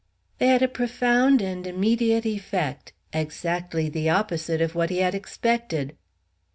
They had a profound and immediate effect exactly the opposite of what he had expected.